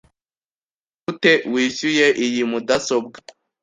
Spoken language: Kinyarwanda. Nigute wishyuye iyi mudasobwa?